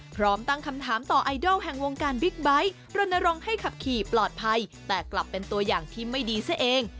พร้อมตั้งคำถามต่อไอดอลแห่งวงการบิ๊กไบท์รณรงค์ให้ขับขี่ปลอดภัยแต่กลับเป็นตัวอย่างที่ไม่ดีซะเอง